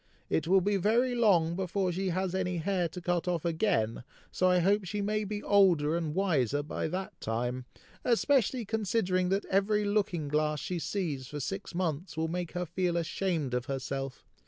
It will be very long before she has any hair to cut off again, so I hope she may be older and wiser by that time, especially considering that every looking glass she sees for six months will make her feel ashamed of herself.